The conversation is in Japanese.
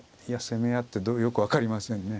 攻め合ってよく分かりませんね。